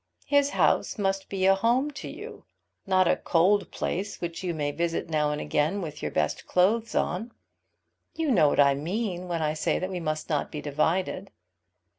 His house must be a home to you, not a cold place which you may visit now and again, with your best clothes on. You know what I mean, when I say that we must not be divided."